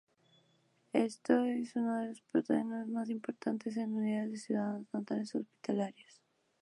Es uno de los patógenos más importantes en unidades de cuidados neonatales hospitalarios.